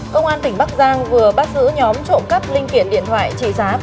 công an tỉnh bắc giang vừa bắt giữ nhóm trộm cắp linh kiện điện thoại trị giá bốn tỷ đồng